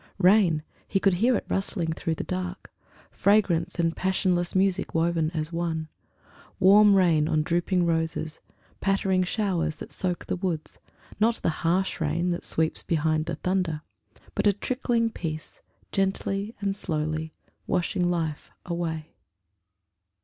Rain; he could hear it rustling through the dark; Fragrance and passionless music woven as one; Warm rain on drooping roses; pattering showers That soak the woods; not the harsh rain that sweeps Behind the thunder, but a trickling peace Gently and slowly washing life away.